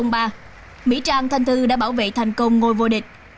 mỹ trang thanh thư đã bảo vệ thành công ngôi vô địch